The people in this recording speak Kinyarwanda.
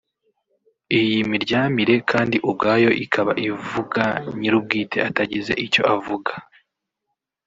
Iyi miryamire kandi ubwayo ikaba ivuga nyir’ubwite atagize icyo avuga